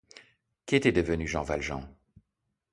Qu’était devenu Jean Valjean?